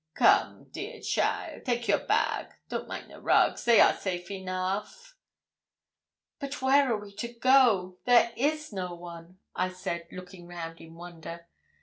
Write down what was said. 'Come, dear cheaile, take your bag; don't mind the rugs, they are safe enough.' 'But where are we to go? There is no one!' I said, looking round in wonder.